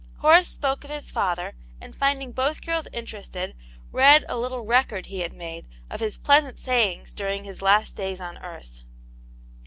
Horace spoke of his father, and finding both girls interested, read a little record he had made of his pleasant sayings during his last days on earth.